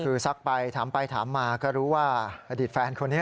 คือซักไปถามไปถามมาก็รู้ว่าอดีตแฟนคนนี้